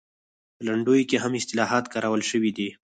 په لنډیو کې هم اصطلاحات کارول شوي دي